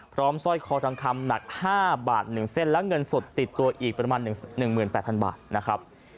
พร้อมสร้อยคอทางคำหนักห้าบาทหนึ่งเส้นและเงินสดติดตัวอีกประมาณหนึ่งหนึ่งหมื่นแปดพันบาทนะครับ